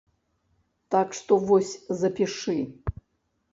Так што, вось запішы.